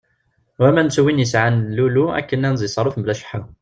War ma nettu win yesɛan lulu akken ad iserref mebla cceḥḥa.